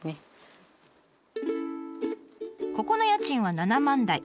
ここの家賃は７万台。